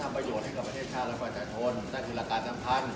เขามีเงื่อนขันมีอะไรตลอดเวลาเค้ารับนี้